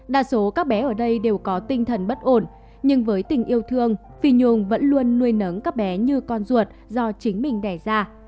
đa số các bé ở đây đều có tinh thần bất ổn nhưng với tình yêu thương phi nhung vẫn luôn nuôi nấng các bé như con ruột do chính mình đẻ ra